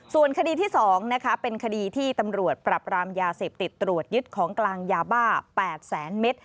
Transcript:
ส่วนคดีที่๒เป็นคดีที่ตำรวจปรับรามยาเสพติดตรวจยึดของกลางยาบ้า๘แสนเมตร